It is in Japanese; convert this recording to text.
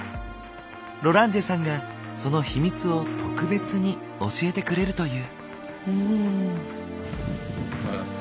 ロランジェさんがその秘密を「特別に」教えてくれるという。